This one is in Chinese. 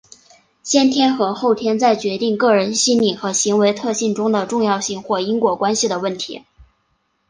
先天与后天在决定个人心理和行为特性中的重要性或因果关系的问题。